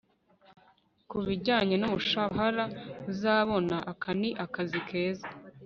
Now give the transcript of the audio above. kubijyanye n'umushahara uzabona, aka ni akazi keza